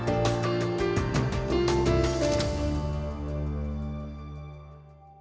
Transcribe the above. kami berterima kasih kepada tuhan untuk semua hal baik yang dia berikan di hidupnya